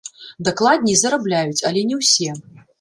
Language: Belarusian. Дакладней, зарабляюць, але не ўсе.